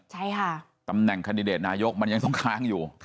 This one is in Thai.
ใช่ค่ะตำแหน่งคันดิเดตนายกมันยังต้องค้างอยู่